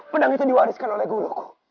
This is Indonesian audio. pedang itu diwariskan oleh guru